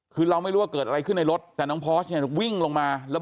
คือเราไม่รู้ว่าเกิดอะไรขึ้นในรถแต่น้องพอสเนี่ยวิ่งลงมาแล้ว